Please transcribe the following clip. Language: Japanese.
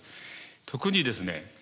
特にですね